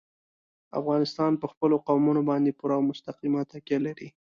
افغانستان په خپلو قومونه باندې پوره او مستقیمه تکیه لري.